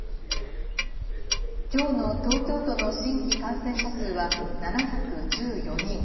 きょうの東京都の新規感染者数は７１４人。